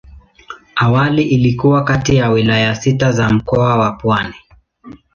Awali ilikuwa kati ya wilaya sita za Mkoa wa Pwani.